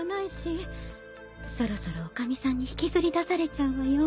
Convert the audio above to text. そろそろ女将さんに引きずり出されちゃうわよ。